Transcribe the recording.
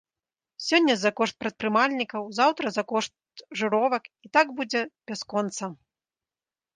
Сёння за кошт прадпрымальнікаў, заўтра за кошт жыровак, і так будзе бясконца.